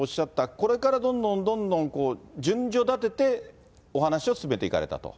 これからどんどんどんどん順序だててお話を進めていかれたと。